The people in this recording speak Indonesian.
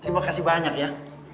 terima kasih banyak ya